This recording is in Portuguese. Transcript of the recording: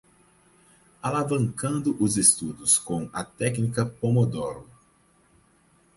Alavancando os estudos com a técnica pomodoro